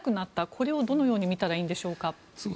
これをどのように見たらいいんでしょう？